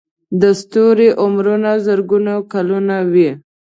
د ستوري عمرونه زرګونه کلونه وي.